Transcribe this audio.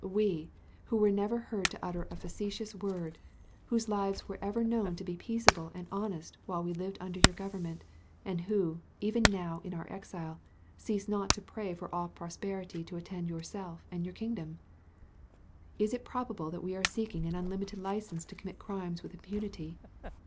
we, who were never heard to utter a factious word, whose lives were ever known to be peaceable and honest while We lived under your government, and who, even now in our exile, cease not to pray for all prosperity to attend yourself and your kingdom! Is it probable that we are seeking an unlimited license to commit crimes with impunity?